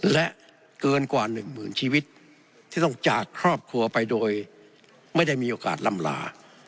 และเกินกว่าหนึ่งหมื่นชีวิตที่ต้องจากครอบครัวไปโดยไม่ได้มีโอกาสลำลา